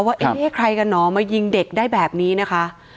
ว่าเอ๊ะใครกันเหรอมายิงเด็กได้แบบนี้นะคะ